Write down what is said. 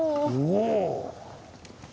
おお！